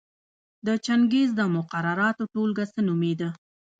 د چنګیز د مقرراتو ټولګه څه نومېده؟